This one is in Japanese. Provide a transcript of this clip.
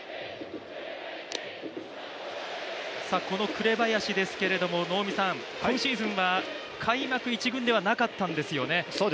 紅林ですけど能見さん、今シーズンは開幕１軍ではなかったんですよね。